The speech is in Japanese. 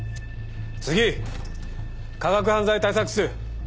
次科学犯罪対策室。